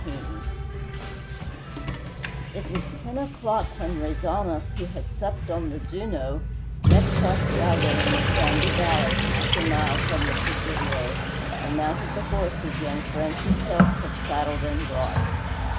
XIX It was ten o'clock when Rezanov, who had supped on the Juno, met Santiago in a sandy valley half a mile from the Presidio and mounted the horse his young friend himself had saddled and brought.